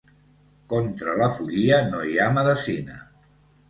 Contra la follia no hi ha medecina.